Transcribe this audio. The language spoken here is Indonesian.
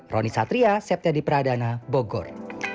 roni satria septedipradana bogor